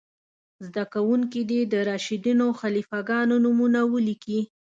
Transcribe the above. زده کوونکي دې د راشدینو خلیفه ګانو نومونه ولیکئ.